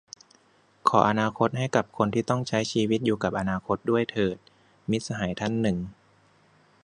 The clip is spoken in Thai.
"ขออนาคตให้กับคนที่ต้องใช้ชีวิตอยู่กับอนาคตด้วยเถิด" - มิตรสหายท่านหนึ่ง